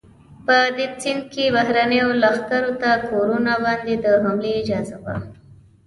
په دې سند کې بهرنیو لښکرو ته کورونو باندې د حملې اجازه وه.